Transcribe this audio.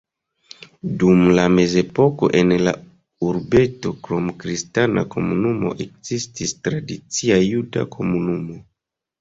Dum la mezepoko en la urbeto krom kristana komunumo ekzistis tradicia juda komunumo.